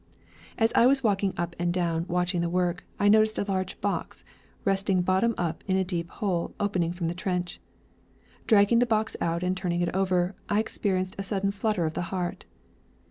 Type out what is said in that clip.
As I was walking up and down, watching the work, I noticed a large box, resting bottom up in a deep hole opening from the trench. Dragging the box out and turning it over, I experienced a sudden flutter of the heart.